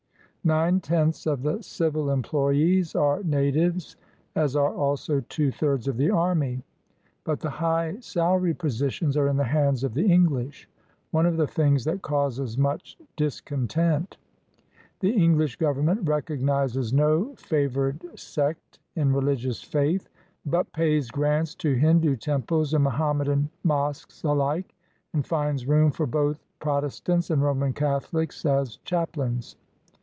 Nine tenths of the civil employees are natives, as are also two thirds of the army; but the high salaried positions are in the hands of the English, one of the things that causes much dis content. The English Government recognizes no favored sect in religious faith, but pays grants to Hindu temples and Mohammedan mosques alike; and finds room for both Prot estants and Roman Catholics as chaplains.